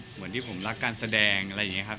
เหมือนที่ผมรักการแสดงอะไรอย่างนี้ครับ